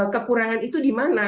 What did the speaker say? kekurangan itu di mana